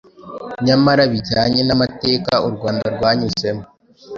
Nyamara bijyanye n’amateka u Rwanda rwanyuzemo,